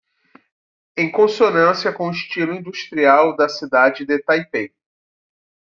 Em consonância com o estilo industrial da cidade de Taipei